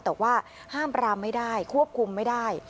แต่ว่าห้ามปรามไม่ได้ควบคุมไม่ได้